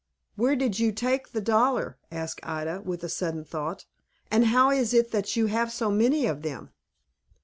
"Where did you take the dollar?" asked Ida, with a sudden thought; "and how is it that you have so many of them?"